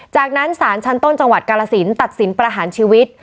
จากนั้นศาลชั้นต้นจังหวัดกาลสินตัดสินประหารชีวิต